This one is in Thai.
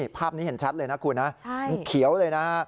ภาพนี้เห็นชัดเลยนะคุณนะมันเขียวเลยนะฮะ